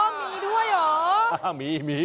มีด้วยเหรอ